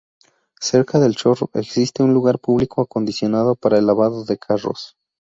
Cerca del chorro, existe un lugar público acondicionado para el lavado de carros.